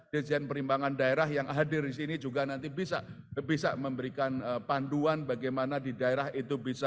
dirjen perimbangan daerah yang hadir di sini juga nanti bisa bisa memberikan panduan bagaimana di daerah itu bisa